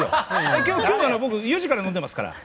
今日、僕４時から飲んでますから。